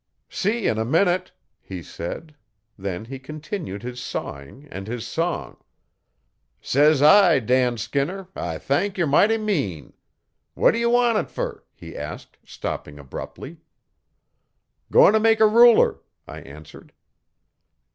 'See 'n a minute,' he said. Then he continued his sawing and his song, '"Says I Dan Skinner, I thank yer mighty mean" what d' ye want it fer?' he asked stopping abruptly. 'Going to make a ruler,' I answered.